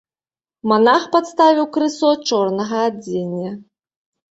Манах падставіў крысо чорнага адзення.